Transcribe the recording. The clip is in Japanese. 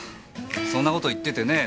そんな事言っててねえ